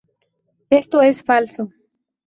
Esto es falso.